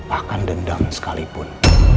akan dendam sekalipun